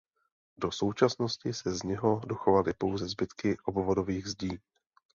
Do současnosti se z něho dochovaly pouze zbytky obvodových zdí.